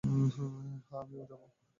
হ্যাঁ, আমিও যাবো।